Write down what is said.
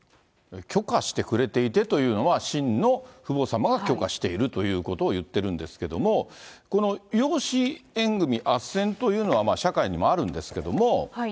許可してくれていてというのは、真の父母様が許可しているということを言ってるんですけども、この養子縁組あっせんというのは、社会にもあるんですけれども。